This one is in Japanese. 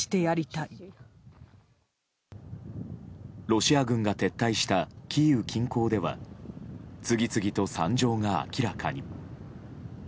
ロシア軍が撤退したキーウ近郊では次々と惨状が明らかに。